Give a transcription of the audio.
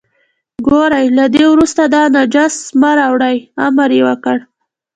ګورئ له دې وروسته دا نجس مه راولئ، امر یې وکړ.